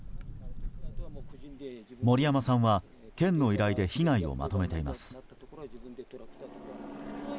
森山さんは県の依頼で被害をまとめています。